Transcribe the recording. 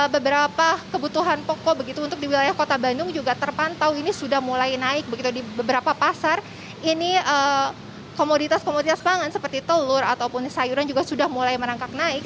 beberapa kebutuhan pokok begitu untuk di wilayah kota bandung juga terpantau ini sudah mulai naik begitu di beberapa pasar ini komoditas komoditas pangan seperti telur ataupun sayuran juga sudah mulai merangkak naik